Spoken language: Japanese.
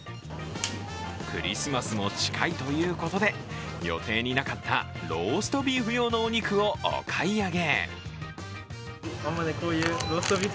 クリスマスも近いということで予定になかったローストビーフ用のお肉をお買い上げ。